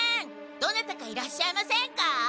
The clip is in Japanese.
どなたかいらっしゃいませんか？